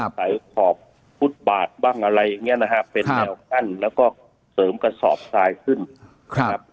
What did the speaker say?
ขอบฟุตบาทบ้างอะไรอย่างเงี้ยนะฮะเป็นแนวกั้นแล้วก็เสริมกระสอบทรายขึ้นครับ